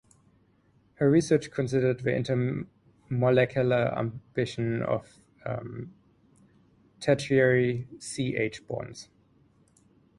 Her research considered the intermolecular amination of tertiary C–H bonds.